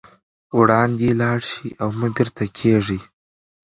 وړاندې لاړ شئ او مه بېرته کېږئ.